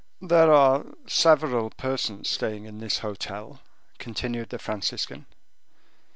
"There are several persons staying in this hotel," continued the Franciscan.